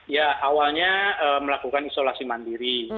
ya awalnya melakukan isolasi mandiri